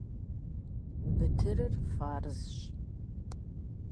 Бытырыр фарзщ.